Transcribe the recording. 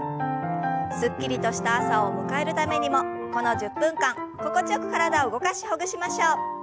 すっきりとした朝を迎えるためにもこの１０分間心地よく体を動かしほぐしましょう。